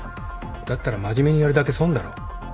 だったら真面目にやるだけ損だろ。